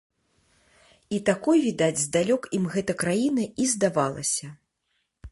І такой, відаць, здалёк ім гэта краіна і здавалася.